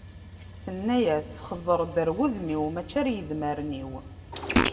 Tenna-yas xẓer-d ɣer wudem-iw, mačči ɣer yedmaren-iw.